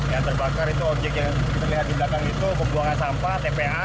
yang terbakar itu objek yang kita lihat di belakang itu pembuangan sampah tpa